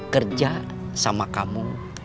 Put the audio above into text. kerja sama kamu